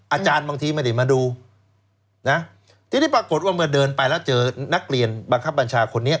อาจารย์บางทีไม่ได้มาดูนะทีนี้ปรากฏว่าเมื่อเดินไปแล้วเจอนักเรียนบังคับบัญชาคนนี้